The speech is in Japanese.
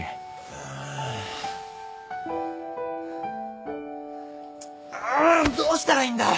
ああーどうしたらいいんだ！